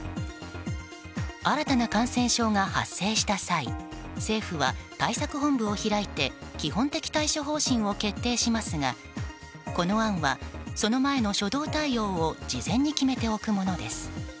新たな感染症が発生した際政府は、対策本部を開いて基本的対処方針を決定しますがこの案は、その前の初動対応を事前に決めておくものです。